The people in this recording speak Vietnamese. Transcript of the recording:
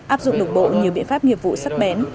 áp dụng đồng bộ nhiều biện pháp nghiệp vụ sắc bén